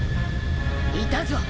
いたぞ。